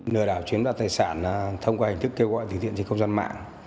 nơi đảo chiếm đoạt tài sản thông qua hình thức kêu gọi từ thiện trên công dân mạng